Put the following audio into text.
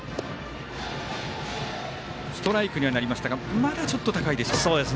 ストライクにはなりましたがまだちょっと高いでしょうか。